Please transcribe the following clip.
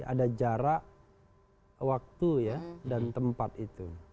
ada jarak waktu ya dan tempat itu